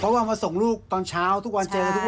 เพราะว่ามาส่งลูกตอนเช้าทุกวันเจอทุกวัน